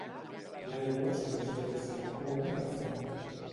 L'aigua sorgeix de la Cova de la Font.